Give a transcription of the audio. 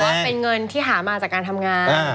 เป็นเงินที่หามาจากการทำงาน